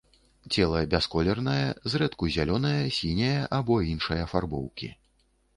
Цела бясколернае, зрэдку зялёнае, сіняе або іншай афарбоўкі.